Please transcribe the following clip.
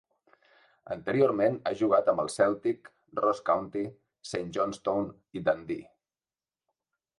Anteriorment ha jugat amb el Celtic, Ross County, Saint Johnstone i Dundee.